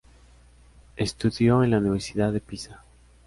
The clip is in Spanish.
Estudió en la Universidad de Pisa.